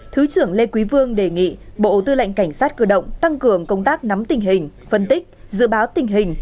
thứ trưởng lê quý vương đề nghị bộ tư lệnh cảnh sát cơ động tăng cường công tác nắm tình hình phân tích dự báo tình hình